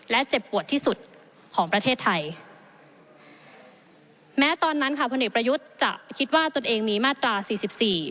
และเจ็บปวดที่สุดของประเทศไทยแม้ตอนนั้นค่ะพลเอกประยุทธ์จะคิดว่าตนเองมีมาตราสี่สิบสี่